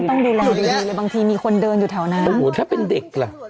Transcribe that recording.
ต้องดูแลดีดีเลยบางทีมีคนเดินอยู่แถวนั้นโอ้โหถ้าเป็นเด็กล่ะ